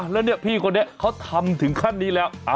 แล้วเนี่ยพี่คนนี้เขาทำถึงขั้นนี้แล้ว